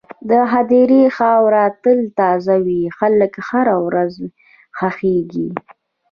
د هدیرې خاوره تل تازه وي، خلک هره ورځ ښخېږي.